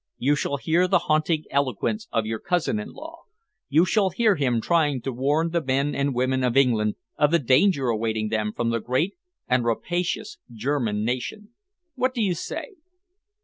You shall hear the haunting eloquence of your cousin in law. You shall hear him trying to warn the men and women of England of the danger awaiting them from the great and rapacious German nation. What do you say?"